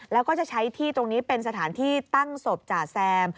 แล้วก็จะใช้ที่ตรงนี้เป็นสถานที่ตั้งศพจ่าแซม